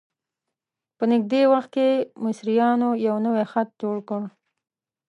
په نږدې وخت کې مصریانو یو نوی خط جوړ کړ.